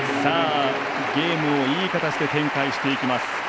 ゲームをいい形で展開していきます。